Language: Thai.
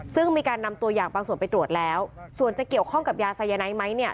ซึ่งมีการนำตัวอย่างบางส่วนไปตรวจแล้วส่วนจะเกี่ยวข้องกับยาไซยาไนท์ไหมเนี่ย